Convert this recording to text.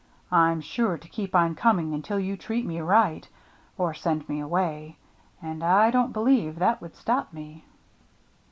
I'm sure to keep on coming until you treat me right — or send me away. And I don't believe that would stop me."